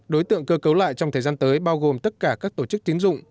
đối tượng cơ cấu lại trong thời gian tới bao gồm tất cả các tổ chức tín dụng